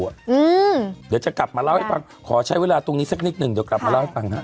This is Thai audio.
เดี๋ยวจะกลับมาเล่าให้ฟังขอใช้เวลาตรงนี้สักนิดหนึ่งเดี๋ยวกลับมาเล่าให้ฟังฮะ